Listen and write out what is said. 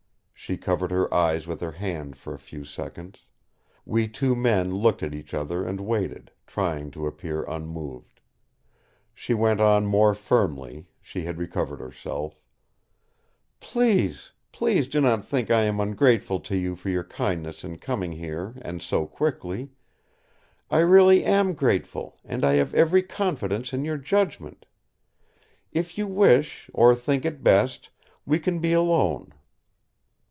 She covered her eyes with her hand for a few seconds; we two men looked at each other and waited, trying to appear unmoved. She went on more firmly; she had recovered herself: "Please! please do not think I am ungrateful to you for your kindness in coming here and so quickly. I really am grateful; and I have every confidence in your judgment. If you wish, or think it best, we can be alone."